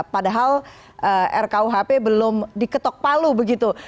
padahal rkuhp belum diketok palu begitu